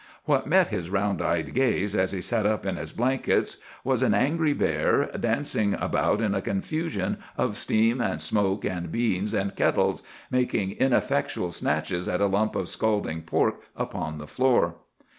"What met his round eyed gaze, as he sat up in his blankets, was an angry bear, dancing about in a confusion of steam and smoke and beans and kettles, making ineffectual snatches at a lump of scalding pork upon the floor.